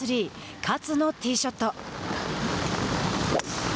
勝のティーショット。